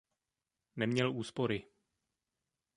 Neměl úspory.